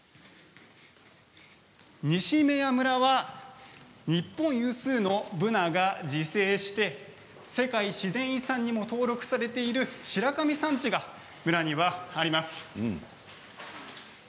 西目屋村は日本有数のブナが自生して世界自然遺産にも登録されている白神山地があります。